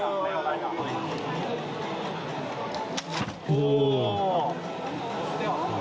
おお！